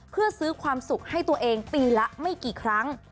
เพื่อซื้อความสุขให้ตัวเองปีละไม่กี่ครั้ง